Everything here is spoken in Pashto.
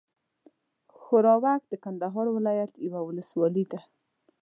ښوراوک د کندهار ولايت یوه اولسوالي ده.